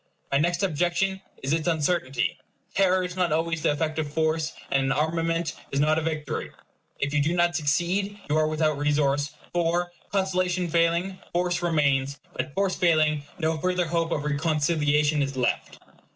My next objection is its uncertainty. Terror is not always the effect of force, and an armament is not a victory. If you do not succeed, you are without resource; for, conciliation failing, force remains; but, force failing, no further hope of reconciliation is left.